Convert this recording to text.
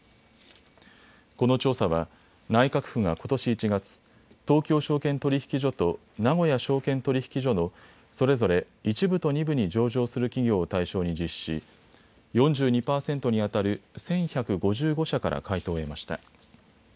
この調査は内閣府がことし１月、東京証券取引所と名古屋証券取引所のそれぞれ１部と２部に上場する企業を対象に実施し４２％にあたる１１５５社から回答を得ました。